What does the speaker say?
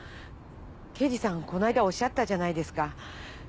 刑事さんこないだおっしゃったじゃないですか。